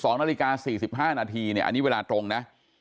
๑๒นาฬิกา๔๕นาทีอันนี้เวลาตรงนะ